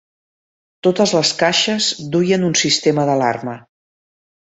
Totes les caixes duien un sistema d'alarma.